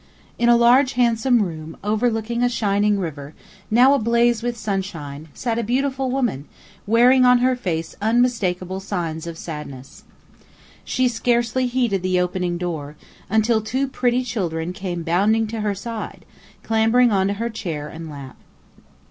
In a large, handsome room, overlooking a shining river, now ablaze with sunshine, sat a beautiful woman, wearing on her face unmistakable signs of sadness. She scarcely heeded the opening door, until two pretty children came bounding to her side, clambering onto her chair and lap.